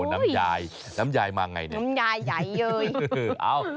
น้ำยายมาไงเนี่ย